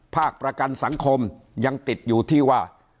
ประกันสังคมยังติดอยู่ที่ว่า